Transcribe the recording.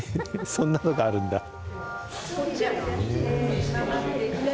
そんなのがあるんだ。